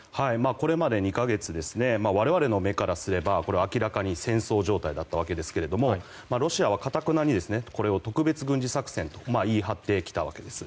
これまで２か月我々の目からすれば明らかに戦争状態だったわけですがロシアは頑なにこれを特別軍事作戦と言い張ってきたわけです。